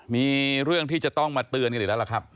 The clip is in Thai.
มีเรื่องที่จะต้องมาเตือนกันอีกแล้วล่ะครับ